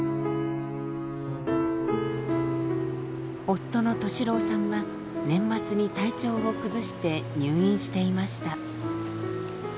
夫の俊郎さんは年末に体調を崩して入院していました。